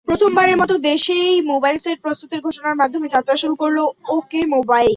প্রথমবারের মতো দেশেই মোবাইল সেট প্রস্তুতের ঘোষণার মাধ্যমে যাত্রা শুরু করলো ওকে মোবাইল।